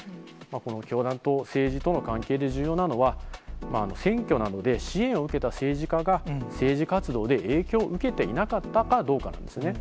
この教団と政治との関係で重要なのは、選挙などで支援を受けた政治家が、政治活動で影響を受けていなかったかどうかなんですね。